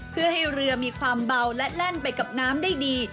เพื่อให้เรือมีความเบาและแล่นไปกับน้ำได้ดี